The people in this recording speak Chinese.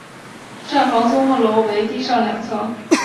站房综合楼为地上两层。